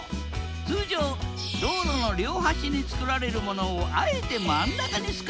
通常道路の両端に造られるものをあえて真ん中に造った。